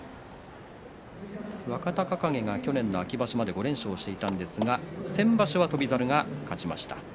若隆景は去年の秋場所まで５連勝していたんですけれども先場所の翔猿が勝ちました。